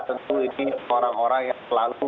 tentu ini orang orang yang selalu